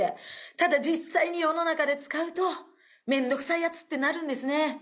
ただ実際に世の中で使うと面倒くさいヤツってなるんですね。